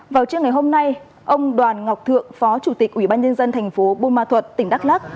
vào trưa ngày hôm nay ông đoàn ngọc thượng phó chủ tịch ủy ban nhân dân thành phố buôn ma thuật tỉnh đắk lắc